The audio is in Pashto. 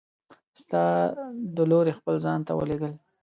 ستا د لورې خپل ځان ته ولیږل!